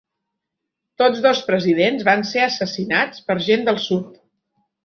Tots dos presidents van ser assassinats per gent del sud.